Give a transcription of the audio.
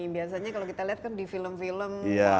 biasanya kalau kita lihat kan di film film